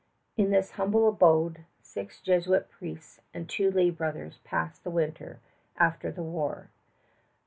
In this humble abode six Jesuit priests and two lay brothers passed the winter after the war.